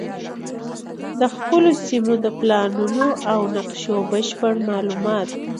د خپلو سیمو د پلانونو او نقشو بشپړ معلومات